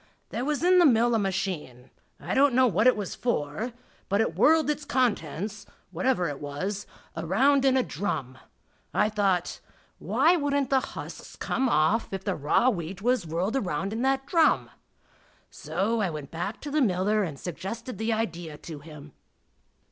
There was in the mill a machine I don't know what it was for but it whirled its contents, whatever it was, around in a drum. I thought, "Why wouldn't the husks come off if the raw wheat was whirled around in that drum?" So back I went to the miller and suggested the idea to him.